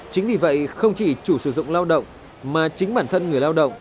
chính vì vậy không chỉ chủ sử dụng lao động mà chính bản thân người lao động